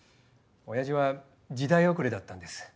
親父は時代遅れだったんです。